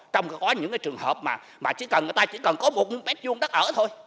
trong những trường hợp mà người ta chỉ cần có một m hai đất ở thôi